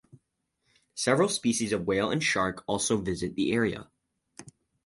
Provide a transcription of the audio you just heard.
Several species of whale and shark also visit the area.